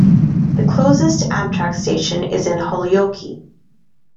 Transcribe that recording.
The closest Amtrak station is in Holyoke.